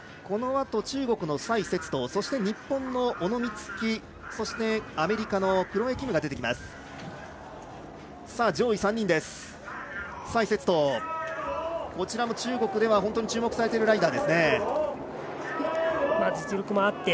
このあと中国の蔡雪桐。